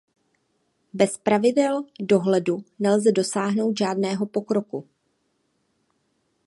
Bez pravidel dohledu nelze dosáhnout žádného pokroku.